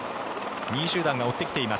２位集団が追ってきています。